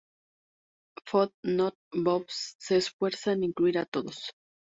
Food Not Bombs se esfuerza en incluir a todos.